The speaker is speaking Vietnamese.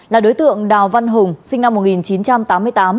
là đối tượng đào văn hùng sinh năm một nghìn chín trăm tám mươi tám